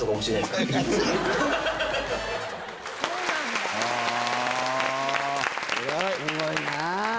すごいなぁ。